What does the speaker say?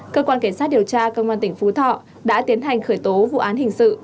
cơ quan cảnh sát điều tra công an tỉnh phú thọ đã tiến hành khởi tố vụ án hình sự